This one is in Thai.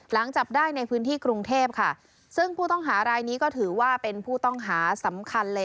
จับได้ในพื้นที่กรุงเทพค่ะซึ่งผู้ต้องหารายนี้ก็ถือว่าเป็นผู้ต้องหาสำคัญเลย